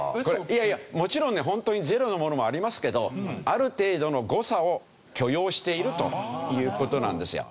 いやいやもちろんねホントに０のものもありますけどある程度の誤差を許容しているという事なんですよ。